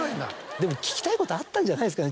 でも聞きたいことあったんじゃないですかね。